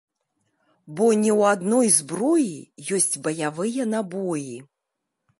Бо не ў адной зброі ёсць баявыя набоі.